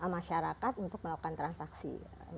masyarakat untuk melakukan transaksi